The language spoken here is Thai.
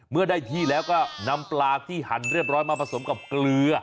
เมื่อได้ที่แล้วก็นำปลาที่หั่นเรียบร้อยมาผสมกับเกลือ